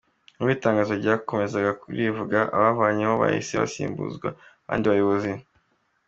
Nk’uko itangazo ryakomezaga ribivuga, abavanyweho bahise basimbuzwa abandi bayobozi.